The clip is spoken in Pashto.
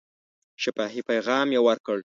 شفاهي پیغام یې ورکړ.